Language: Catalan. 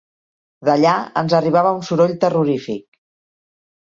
D'allà ens arribava un soroll terrorífic